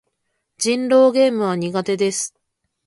人狼ゲームは苦手です。